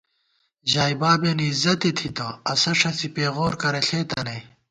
ژائے بابېن عِزتے تھِتہ ، اسہ ݭڅی پېغور کرہ ݪېتہ نئی